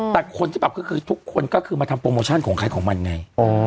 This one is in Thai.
แต่คนที่ปรับก็คือทุกคนก็คือมาทำโปรโมชั่นของใครของมันไง